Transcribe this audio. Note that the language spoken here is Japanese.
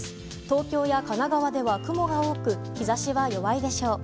東京や神奈川では雲が多く日差しは弱いでしょう。